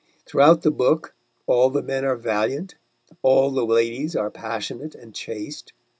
Throughout the book all the men are valiant, all the ladies are passionate and chaste.